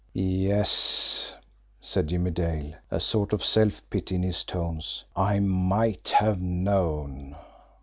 "Yes," said Jimmie Dale, a sort of self pity in his tones, "I might have known."